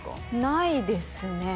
ないですね